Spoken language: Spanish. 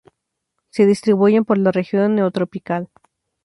Se distribuyen por la región neotropical.